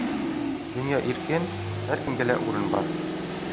Донъя иркен, һәр кемгә лә урын бар.